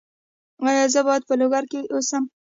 ایا زه باید په لوګر کې اوسم؟